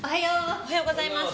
おはようございます。